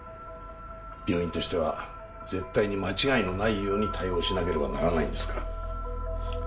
病院としては絶対に間違いのないように対応しなければならないんですから。